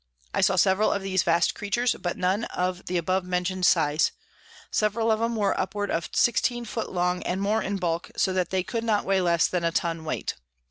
I saw several of these vast Creatures, but none of the above mention'd Size; several of 'em were upward of 16 foot long, and more in bulk, so that they could not weigh less than a Tun weight.